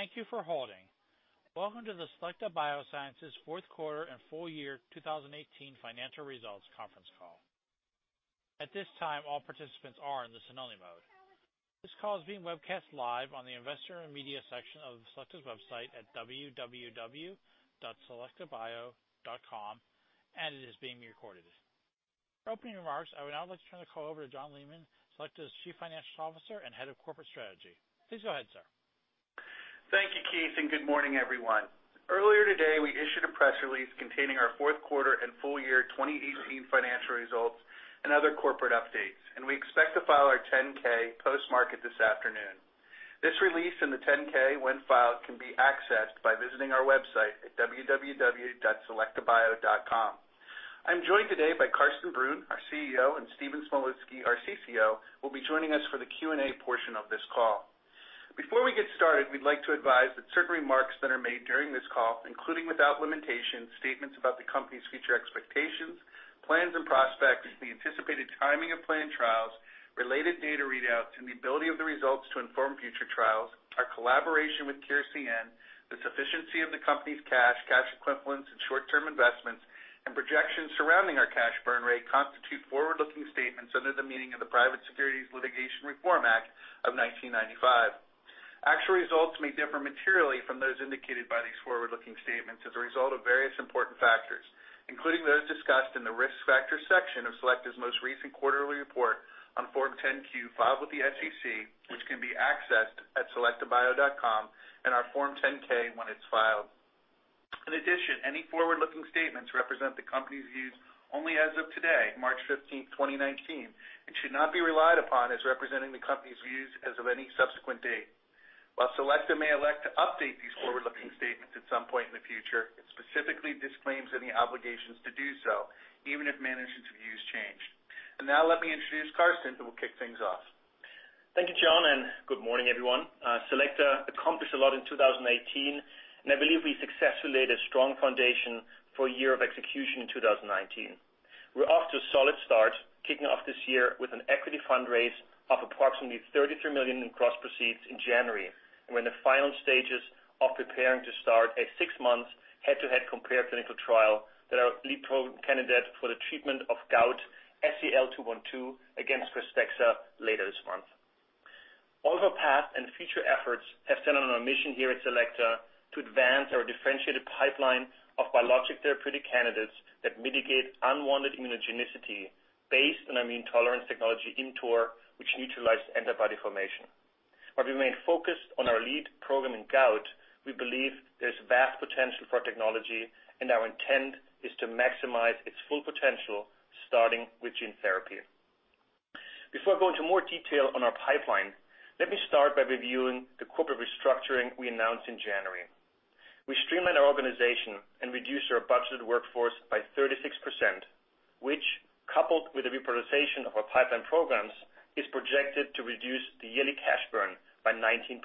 Thank you for holding. Welcome to the Selecta Biosciences fourth quarter and full year 2018 financial results conference call. At this time, all participants are in the listen-only mode. This call is being webcast live on the Investor and Media section of Selecta's website at www.selectabio.com. It is being recorded. For opening remarks, I would now like to turn the call over to John Leaman, Selecta's Chief Financial Officer and Head of Corporate Strategy. Please go ahead, sir. Thank you, Keith. Good morning, everyone. Earlier today, we issued a press release containing our fourth quarter and full year 2018 financial results and other corporate updates. We expect to file our 10-K post-market this afternoon. This release and the 10-K, when filed, can be accessed by visiting our website at www.selectabio.com. I'm joined today by Carsten Brunn, our CEO. Stephen Smolinski, our CCO, will be joining us for the Q&A portion of this call. Before we get started, we'd like to advise that certain remarks that are made during this call, including, without limitation, statements about the company's future expectations, plans, and prospects, the anticipated timing of planned trials, related data readouts, the ability of the results to inform future trials, our collaboration with Kire, the sufficiency of the company's cash equivalents, and short-term investments, projections surrounding our cash burn rate, constitute forward-looking statements under the meaning of the Private Securities Litigation Reform Act of 1995. Actual results may differ materially from those indicated by these forward-looking statements as a result of various important factors, including those discussed in the Risk Factors section of Selecta's most recent quarterly report on Form 10-Q, filed with the SEC, which can be accessed at selectabio.com. Our Form 10-K when it's filed. Any forward-looking statements represent the company's views only as of today, March 15th, 2019, and should not be relied upon as representing the company's views as of any subsequent date. While Selecta may elect to update these forward-looking statements at some point in the future, it specifically disclaims any obligations to do so, even if management's views change. Now let me introduce Carsten, who will kick things off. Thank you, John, and good morning, everyone. Selecta accomplished a lot in 2018, and I believe we successfully laid a strong foundation for a year of execution in 2019. We're off to a solid start, kicking off this year with an equity fundraise of approximately $33 million in gross proceeds in January. We're in the final stages of preparing to start a six-month head-to-head compared clinical trial that our lead program candidate for the treatment of gout, SEL-212, against KRYSTEXXA later this month. All of our past and future efforts have centered on our mission here at Selecta to advance our differentiated pipeline of biologic therapeutic candidates that mitigate unwanted immunogenicity based on immune tolerance technology, ImmTOR, which neutralizes antibody formation. While we remain focused on our lead program in gout, we believe there's vast potential for our technology, and our intent is to maximize its full potential, starting with gene therapy. Before I go into more detail on our pipeline, let me start by reviewing the corporate restructuring we announced in January. We streamlined our organization and reduced our budgeted workforce by 36%, which, coupled with the prioritization of our pipeline programs, is projected to reduce the yearly cash burn by 19%,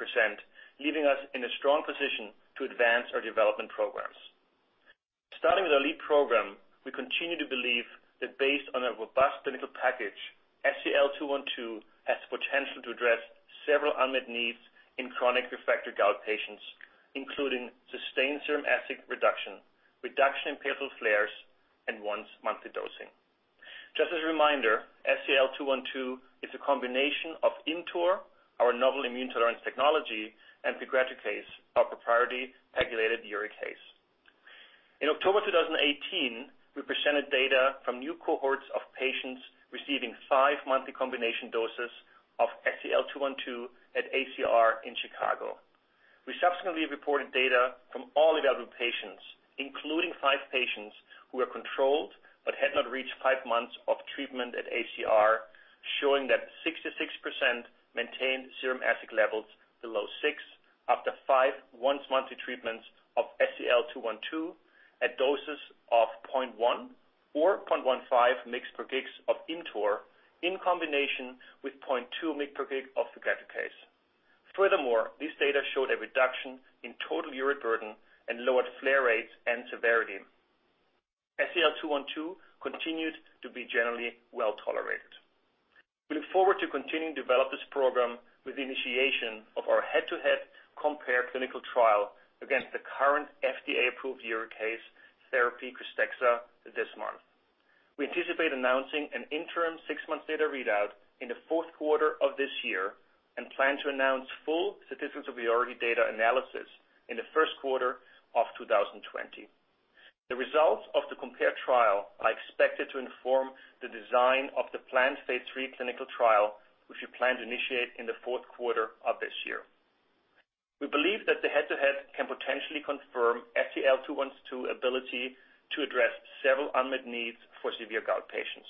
leaving us in a strong position to advance our development programs. Starting with our lead program, we continue to believe that based on a robust clinical package, SEL-212 has the potential to address several unmet needs in chronic refractory gout patients, including sustained serum uric acid reduction in painful flares, and once-monthly dosing. Just as a reminder, SEL-212 is a combination of ImmTOR, our novel immune tolerance technology, and pegloticase, our proprietary pegylated uricase. In October 2018, we presented data from new cohorts of patients receiving five monthly combination doses of SEL-212 at ACR in Chicago. We subsequently reported data from all available patients, including five patients who were controlled but had not reached five months of treatment at ACR, showing that 66% maintained serum uric acid levels below six after five once-monthly treatments of SEL-212 at doses of 0.1 or 0.15 mg per kg of ImmTOR in combination with 0.2 mg per kg of pegloticase. Furthermore, this data showed a reduction in total uric burden and lowered flare rates and severity. SEL-212 continued to be generally well-tolerated. We look forward to continuing to develop this program with the initiation of our head-to-head compared clinical trial against the current FDA-approved uricase therapy, KRYSTEXXA, this month. We anticipate announcing an interim six-month data readout in the fourth quarter of this year. We plan to announce full statistical priority data analysis in the first quarter of 2020. The results of the compared trial are expected to inform the design of the planned phase III clinical trial, which we plan to initiate in the fourth quarter of this year. We believe that the head-to-head can potentially confirm SEL-212 ability to address several unmet needs for severe gout patients.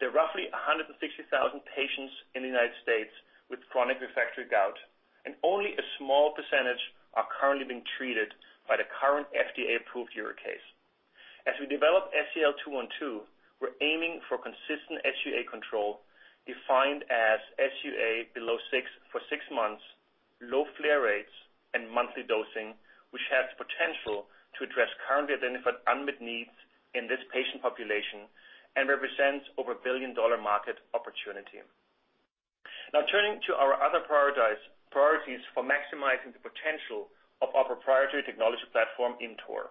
There are roughly 160,000 patients in the U.S. with chronic refractory gout, and only a small percentage are currently being treated by the current FDA-approved uricase. As we develop SEL-212, we're aiming for consistent SUA control, defined as SUA below six for six months, low flare rates, and monthly dosing, which has potential to address currently identified unmet needs in this patient population. Represents over a billion-dollar market opportunity. Turning to our other priorities for maximizing the potential of our proprietary technology platform, ImmTOR.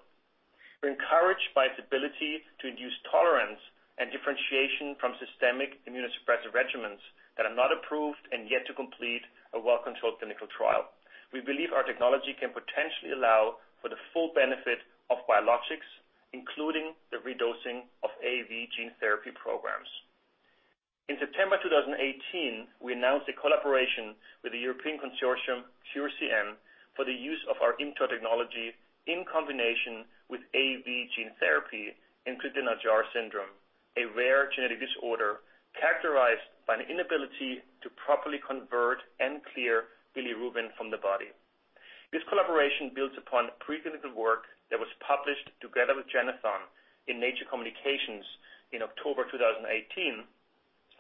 We're encouraged by its ability to induce tolerance and differentiation from systemic immunosuppressive regimens that are not approved and yet to complete a well-controlled clinical trial. We believe our technology can potentially allow for the full benefit of biologics, including the redosing of AAV gene therapy programs. In September 2018, we announced a collaboration with the European consortium CureCN for the use of our ImmTOR technology in combination with AAV gene therapy in Crigler-Najjar syndrome, a rare genetic disorder characterized by an inability to properly convert and clear bilirubin from the body. This collaboration builds upon preclinical work that was published together with Genethon in Nature Communications in October 2018,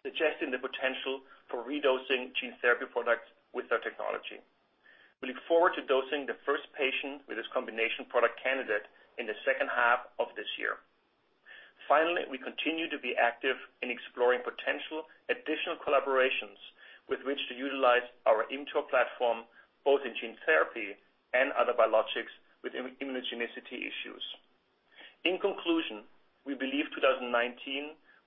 suggesting the potential for redosing gene therapy products with our technology. We look forward to dosing the first patient with this combination product candidate in the second half of this year. We continue to be active in exploring potential additional collaborations with which to utilize our ImmTOR platform, both in gene therapy and other biologics with immunogenicity issues. We believe 2019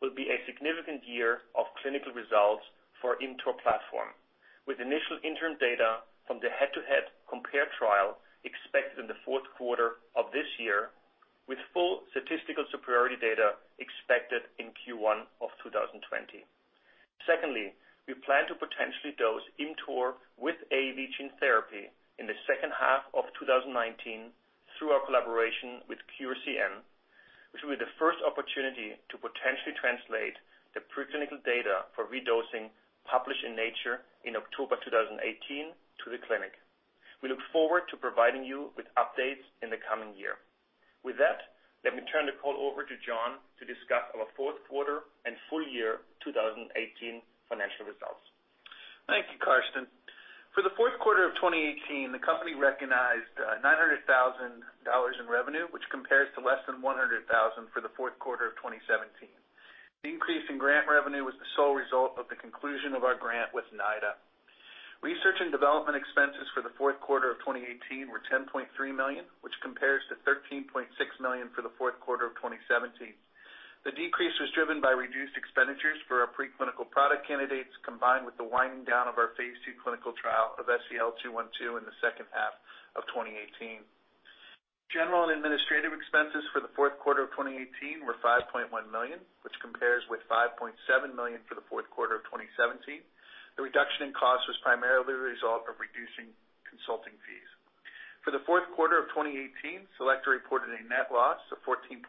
will be a significant year of clinical results for ImmTOR platform. With initial interim data from the head-to-head compare trial expected in the fourth quarter of this year, with full statistical superiority data expected in Q1 of 2020. We plan to potentially dose ImmTOR with AAV gene therapy in the second half of 2019 through our collaboration with CureCN, which will be the first opportunity to potentially translate the preclinical data for redosing published in Nature in October 2018 to the clinic. We look forward to providing you with updates in the coming year. With that, let me turn the call over to John to discuss our fourth quarter and full year 2018 financial results. Thank you, Carsten. For the fourth quarter of 2018, the company recognized $900,000 in revenue, which compares to less than $100,000 for the fourth quarter of 2017. The increase in grant revenue was the sole result of the conclusion of our grant with NIDA. Research and development expenses for the fourth quarter of 2018 were $10.3 million, which compares to $13.6 million for the fourth quarter of 2017. The decrease was driven by reduced expenditures for our preclinical product candidates, combined with the winding down of our phase II clinical trial of SEL-212 in the second half of 2018. General and administrative expenses for the fourth quarter of 2018 were $5.1 million, which compares with $5.7 million for the fourth quarter of 2017. The reduction in cost was primarily the result of reducing consulting fees. For the fourth quarter of 2018, Selecta reported a net loss of $14.7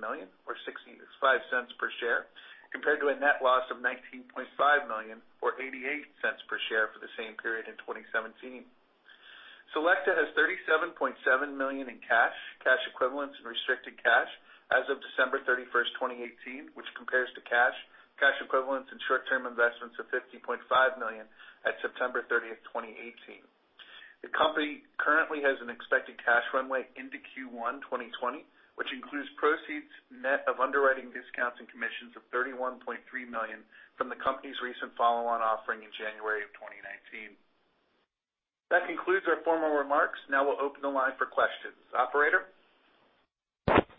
million, or $0.65 per share, compared to a net loss of $19.5 million or $0.88 per share for the same period in 2017. Selecta has $37.7 million in cash equivalents, and restricted cash as of December 31st, 2018, which compares to cash equivalents, and short-term investments of $50.5 million at September 30th, 2018. The company currently has an expected cash runway into Q1 2020, which includes proceeds net of underwriting discounts and commissions of $31.3 million from the company's recent follow-on offering in January of 2019. That concludes our formal remarks. Now we'll open the line for questions. Operator?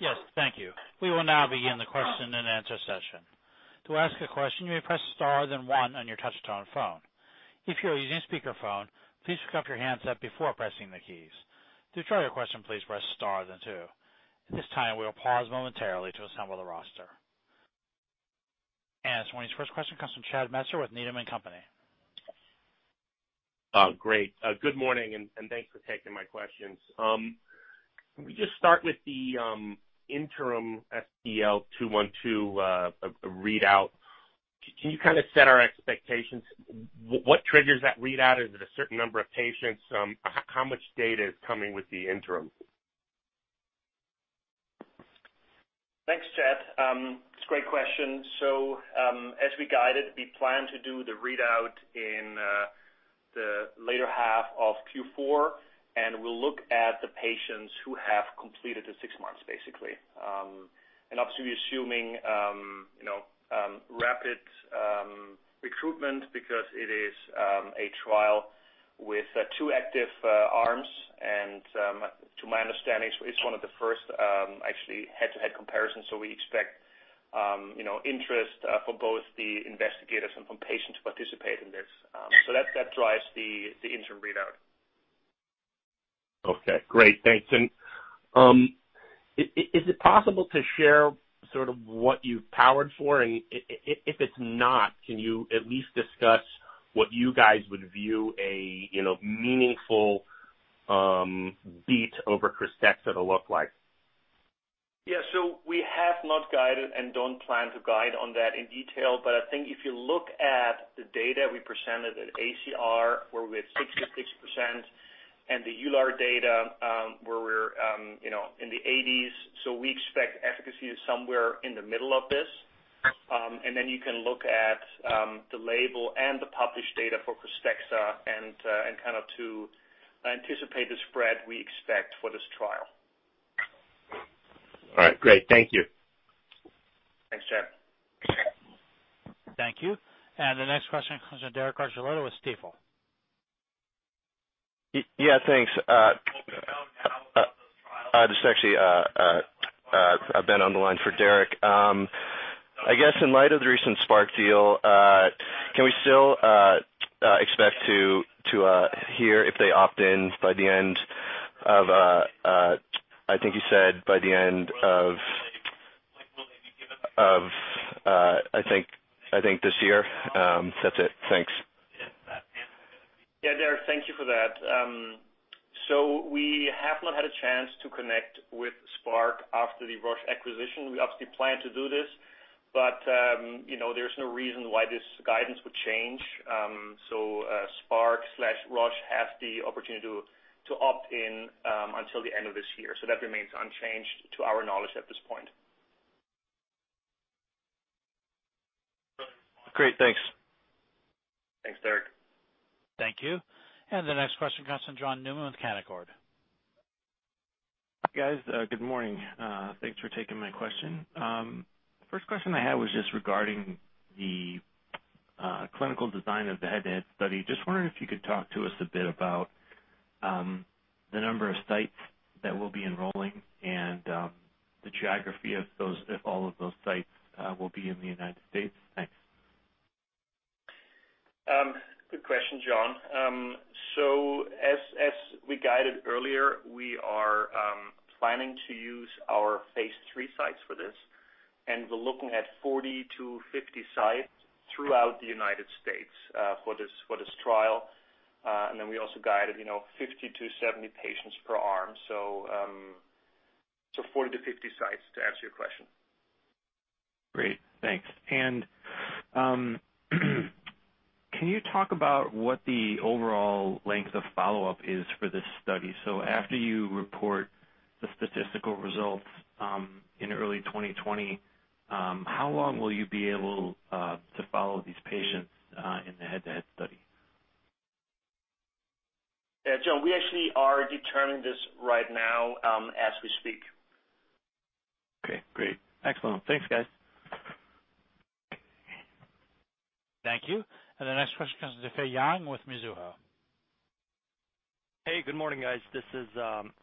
Yes. Thank you. We will now begin the question and answer session. To ask a question, you may press star then one on your touch-tone phone. If you are using speakerphone, please pick up your handset before pressing the keys. To withdraw your question, please press star then two. At this time, we will pause momentarily to assemble the roster. This morning's first question comes from Chad Messer with Needham and Company. Great. Good morning, and thanks for taking my questions. Can we just start with the interim SEL-212 readout? Can you kind of set our expectations? What triggers that readout? Is it a certain number of patients? How much data is coming with the interim? Thanks, Chad. It's a great question. As we guided, we plan to do the readout in the later half of Q4, and we'll look at the patients who have completed the six months, basically. Obviously, we're assuming rapid recruitment because it is a trial with two active arms. To my understanding, it's one of the first actually head-to-head comparisons. We expect interest from both the investigators and from patients who participate in this. That drives the interim readout. Okay. Great. Thanks. Is it possible to share sort of what you've powered for? If it's not, can you at least discuss what you guys would view a meaningful beat over KRYSTEXXA to look like? Yeah. We have not guided and don't plan to guide on that in detail, but I think if you look at the data we presented at ACR, where we had 66%, and the EULAR data, where we're in the 80s, we expect efficacy is somewhere in the middle of this. Then you can look at the label and the published data for KRYSTEXXA and to anticipate the spread we expect for this trial. All right, great. Thank you. Thanks, Chad. Thank you. The next question comes from Derek Archila with Stifel. Thanks. This is actually Ben on the line for Derek. I guess in light of the recent Spark deal, can we still expect to hear if they opt in by the end of, I think this year? That's it. Thanks. Derek. Thank you for that. We have not had a chance to connect with Spark after the Roche acquisition. We obviously plan to do this, there's no reason why this guidance would change. Spark/Roche has the opportunity to opt in until the end of this year. That remains unchanged to our knowledge at this point. Great. Thanks. Thanks, Derek. Thank you. The next question comes from John Newman with Canaccord. Guys, good morning. Thanks for taking my question. First question I had was just regarding the clinical design of the head-to-head study. Just wondering if you could talk to us a bit about the number of sites that we'll be enrolling and the geography of all of those sites will be in the United States. Thanks. Good question, John. As we guided earlier, we are planning to use our phase III sites for this, and we're looking at 40-50 sites throughout the United States for this trial. We also guided 50-70 patients per arm. 40-50 sites to answer your question. Great, thanks. Can you talk about what the overall length of follow-up is for this study? After you report the statistical results in early 2020, how long will you be able to follow these patients in the head-to-head study? Yeah. John, we actually are determining this right now as we speak. Okay, great. Excellent. Thanks, guys. Thank you. The next question comes from Difei Yang with Mizuho. Hey, good morning, guys. This is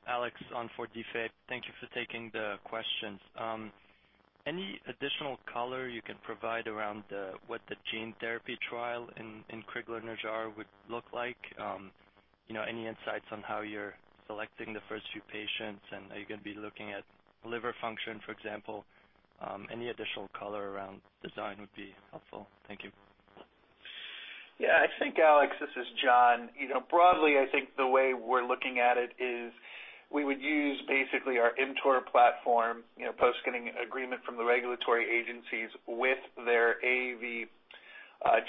Alex on for Difei. Thank you for taking the questions. Any additional color you can provide around what the gene therapy trial in Crigler-Najjar would look like? Any insights on how you're selecting the first few patients, and are you going to be looking at liver function, for example? Any additional color around design would be helpful. Thank you. Yeah, I think, Alex, this is John. Broadly, I think the way we're looking at it is we would use basically our ImmTOR platform post getting agreement from the regulatory agencies with their AAV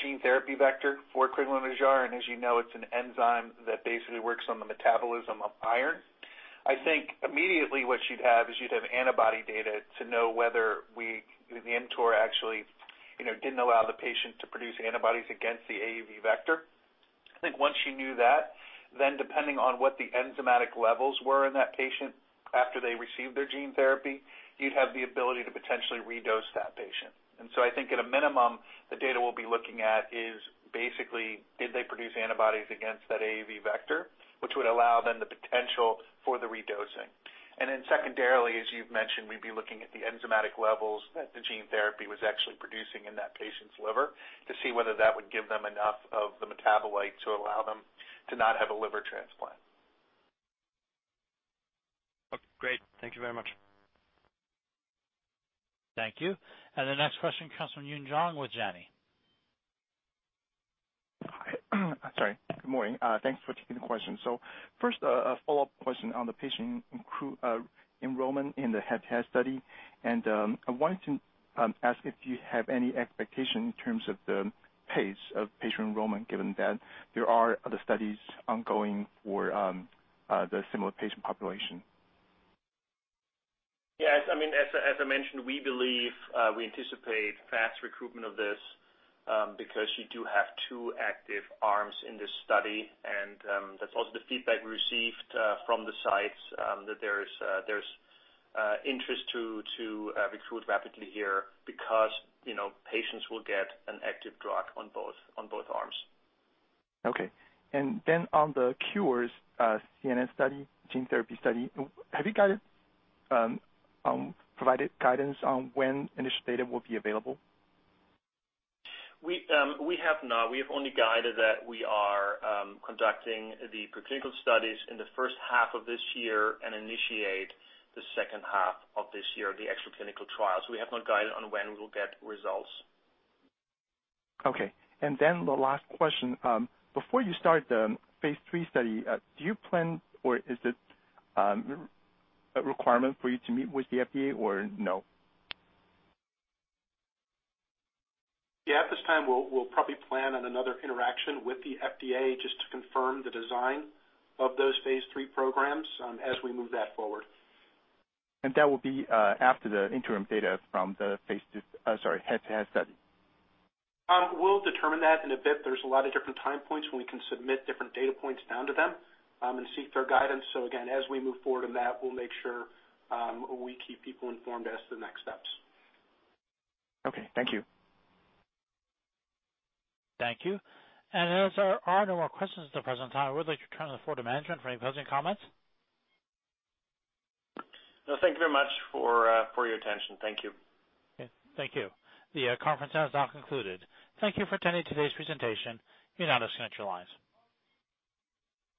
gene therapy vector for Crigler-Najjar. As you know, it's an enzyme that basically works on the metabolism of iron. I think immediately what you'd have is you'd have antibody data to know whether the ImmTOR actually didn't allow the patient to produce antibodies against the AAV vector. I think once you knew that, then depending on what the enzymatic levels were in that patient after they received their gene therapy, you'd have the ability to potentially redose that patient. I think at a minimum, the data we'll be looking at is basically, did they produce antibodies against that AAV vector, which would allow then the potential for the redosing. Secondarily, as you've mentioned, we'd be looking at the enzymatic levels that the gene therapy was actually producing in that patient's liver to see whether that would give them enough of the metabolite to allow them to not have a liver transplant. Great. Thank you very much. Thank you. The next question comes from Yun Zhong with Janney. Hi. Sorry. Good morning. Thanks for taking the question. First, a follow-up question on the patient enrollment in the head-to-head study. I wanted to ask if you have any expectation in terms of the pace of patient enrollment, given that there are other studies ongoing for the similar patient population. Yes. As I mentioned, we believe, we anticipate fast recruitment of this, because you do have two active arms in this study. That's also the feedback we received from the sites, that there's interest to recruit rapidly here because patients will get an active drug on both arms. Okay. On the CureCN study, gene therapy study, have you provided guidance on when initial data will be available? We have not. We have only guided that we are conducting the preclinical studies in the first half of this year and initiate the second half of this year, the actual clinical trial. We have not guided on when we will get results. Okay. The last question. Before you start the phase III study, do you plan or is it a requirement for you to meet with the FDA or no? Yeah. At this time, we'll probably plan on another interaction with the FDA just to confirm the design of those phase III programs as we move that forward. That will be after the interim data from the head-to-head study? We'll determine that in a bit. There's a lot of different time points when we can submit different data points down to them and seek their guidance. Again, as we move forward on that, we'll make sure we keep people informed as to the next steps. Okay. Thank you. Thank you. As there are no more questions at the present time, I would like to turn the floor to management for any closing comments. Thank you very much for your attention. Thank you. Okay. Thank you. The conference has now concluded. Thank you for attending today's presentation. You may disconnect your lines.